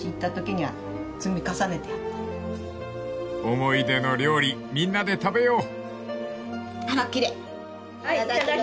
［思い出の料理みんなで食べよう］